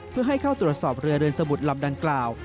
เพื่อให้เข้าตรวจสอบเรือเรือนสมุดลำดังกล่าว